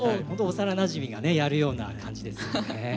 幼なじみがねやるような感じですよね。